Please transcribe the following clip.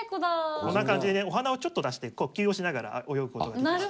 こんな感じでお鼻をちょっと出して呼吸をしながら泳ぐことができます。